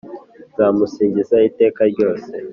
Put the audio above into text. Nzamusingiza iteka ryose